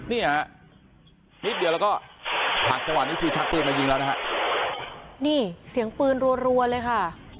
เนี่ยนิดเดียวแล้วก็ผลักจังหวะนี้คือชักปืนมายิงแล้วนะฮะนี่เสียงปืนรัวเลยค่ะ